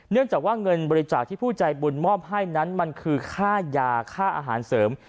เนื่องจากว่าเงินบริจาคที่ผู้ใจบุญมอบให้นั้นมันคือค่ายาค่าอาหารเสริม